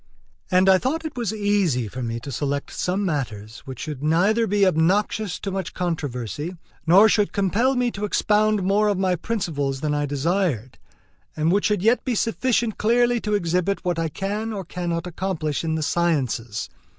And I thought that it was easy for me to select some matters which should neither be obnoxious to much controversy, nor should compel me to expound more of my principles than I desired, and which should yet be sufficient clearly to exhibit what I can or cannot accomplish in the sciences.